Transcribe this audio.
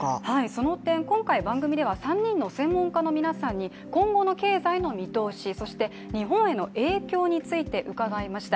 その点、今回、番組では３人の専門家の皆さんに今後の経済の見通しそして日本への影響について伺いました。